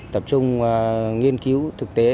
tập trung nghiên cứu thực tế